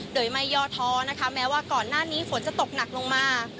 โดยไม่ย่อท้อนะคะแม้ว่าก่อนหน้านี้ฝนจะตกหนักลงมา